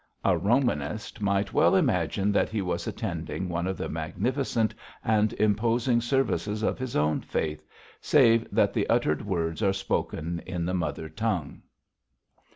A Romanist might well imagine that he was attending one of the magnificent and imposing services of his own faith, save that the uttered words are spoken in the mother tongue.